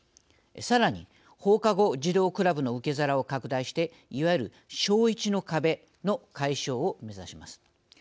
さらに、放課後児童クラブの受け皿を拡大していわゆる小１の壁の解消を目指します。